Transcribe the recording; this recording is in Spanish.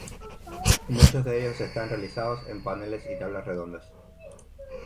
Muchos de ellos están realizados en paneles y tablas redondas.